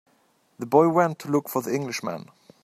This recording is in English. The boy went to look for the Englishman.